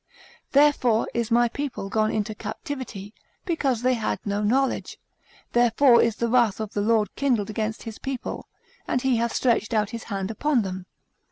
Therefore is my people gone into captivity, because they had no knowledge; therefore is the wrath of the Lord kindled against his people, and he hath stretched out his hand upon them.